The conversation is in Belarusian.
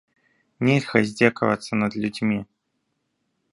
Нельга здзекавацца над людзьмі.